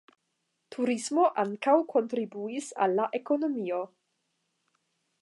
Turismo ankaŭ kontribuis al la ekonomio.